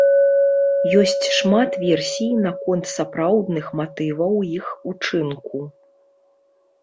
Ёсць шмат версій наконт сапраўдных матываў іх учынку.